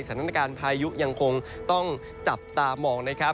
สถานการณ์พายุยังคงต้องจับตามองนะครับ